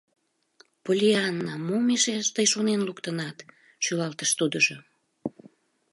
— Поллианна, мом эше тый шонен луктынат? — шӱлалтыш тудыжо.